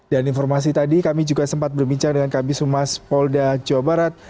dan informasi tadi kami juga sempat berbincang dengan kb sumas polda jawa barat